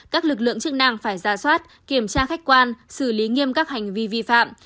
các lực lượng chức năng phải ra soát kiểm tra khách quan xử lý nghiêm các hành vi vi phạm